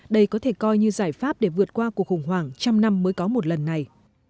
đây có thể coi như giải pháp để vượt qua cuộc khủng hoảng trăm năm mới có một lần này